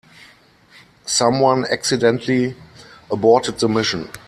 Someone accidentally aborted the mission.